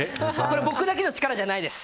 僕だけの力じゃないです。